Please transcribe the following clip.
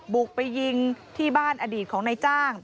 บุกไปยิงที่บ้านอดีตของนายจ้าง